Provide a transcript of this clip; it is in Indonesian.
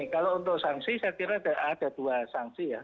kalau untuk sanksi saya kira ada dua sanksi ya